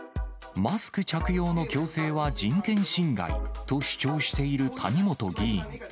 マスク着用の強制は人権侵害と主張している谷本議員。